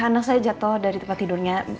anak saya jatuh dari tempat tidurnya